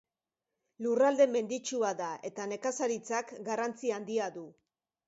Lurralde menditsua da, eta nekazaritzak garrantzi handia du.